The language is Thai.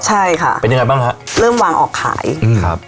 ใช่ค่ะเป็นยังไงบ้างฮะเริ่มวางออกขายอืมครับ